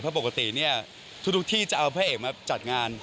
เพราะปกติเนี่ยทุกที่จะเอาพระเอกมาจัดงาน